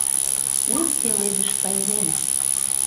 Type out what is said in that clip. У пеледыш пайрем!